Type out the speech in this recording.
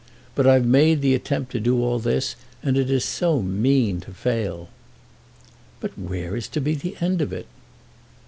But I've made the attempt to do all this, and it is so mean to fail!" "But where is to be the end of it?"